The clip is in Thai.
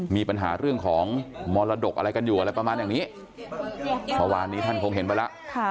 มีปัญหาเรื่องของมรดกอะไรกันอยู่อะไรประมาณอย่างนี้เมื่อวานนี้ท่านคงเห็นไปแล้ว